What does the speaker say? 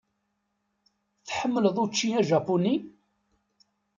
Tḥemmleḍ učči ajapuni?